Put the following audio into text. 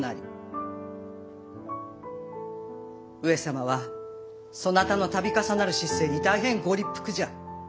上様はそなたの度重なる失政に大変ご立腹じゃ。